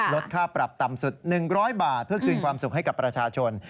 ลดค่าปรับต่ำสุด๑๐๐บาทเพื่อคืนความสุขให้กับประชาชน